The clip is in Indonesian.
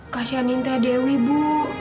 kasianin tadewi bu